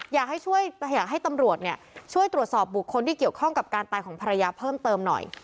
อยากให้ช่วยอยากให้ตำรวจช่วยตรวจสอบบุคคลที่เกี่ยวข้องกับการตายของภรรยาเพิ่มเติมหน่อย